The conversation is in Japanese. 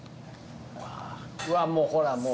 うわもうほらもう。